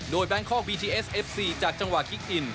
โดยแบงคอกบีทีเอสเอฟซีจากจังหวะคิกอิน